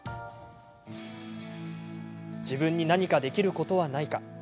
自分に何かできることはないか。